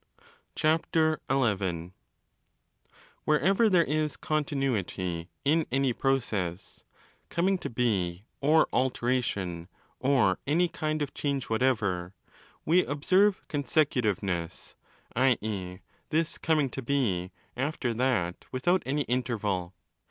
Wherever there is continuity in any process (coming to II 35 be or 'alteration' or any kind of change whatever) we 337° observe ' consecutiveness', i.e. z#7s coming to be after that without any interval.